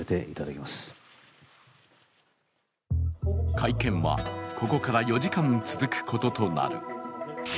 会見は、ここから４時間続くこととなる。